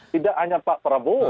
tidak hanya pak probo